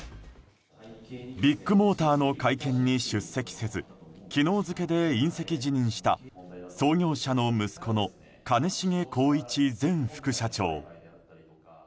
ビッグモーターの会見に出席せず昨日付で引責辞任した創業者の息子の兼重宏一前副社長。